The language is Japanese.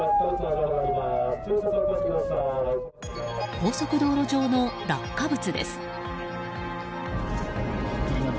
高速道路上の落下物です。